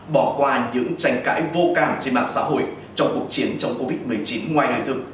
bỏ qua những tranh cãi vô cảm trên mạng xã hội trong cuộc chiến chống covid một mươi chín ngoài đời thương